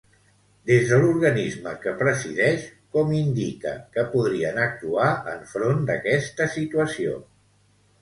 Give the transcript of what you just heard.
Des de l'organisme que presideix, com indica que podrien actuar enfront d'aquesta situació?